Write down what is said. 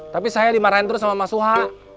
tapi saya dimarahin terus sama mas huha